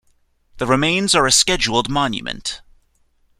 The remains are a scheduled monument.